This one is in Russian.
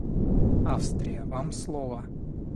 Австрия, вам слово.